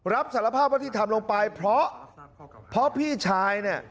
รับสารภาพว่าที่ทำลงไปเพราะพี่ชายเนี่ย